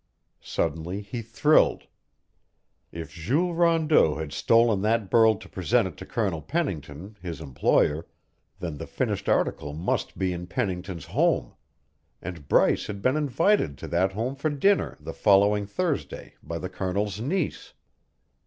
Suddenly he thrilled. If Jules Rondeau had stolen that burl to present it to Colonel Pennington, his employer, then the finished article must be in Pennington's home! And Bryce had been invited to that home for dinner the following Thursday by the Colonel's niece.